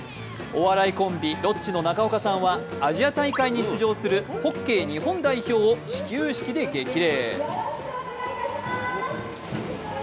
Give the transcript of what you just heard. お笑いコンビ・ロッチの中岡さんはアジア大会に出場するホッケー日本代表を始球式で激励。